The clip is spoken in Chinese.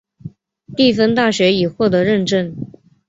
蒂芬大学已获得认证。